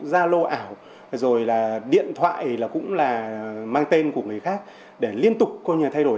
giao lô ảo rồi là điện thoại cũng là mang tên của người khác để liên tục thay đổi